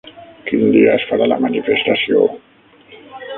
Quin dia es farà la manifestació?